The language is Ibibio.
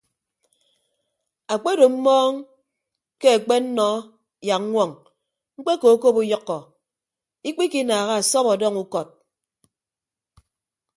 Akpedo mmọọñ ke akpennọ yak ññwoñ mkpekokop uyʌkkọ ikpikinaaha asọp ọdọñ ukọd.